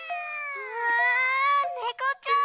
わあねこちゃん！